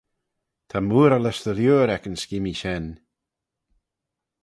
Ta mooaralys dy liooar ec yn skimmee shen.